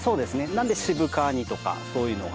なので渋皮煮とかそういうのが。